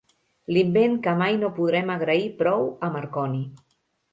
L'invent que mai no podrem agrair prou a Marconi.